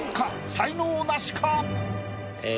才能ナシか？